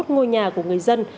ba mươi một ngôi nhà của người dân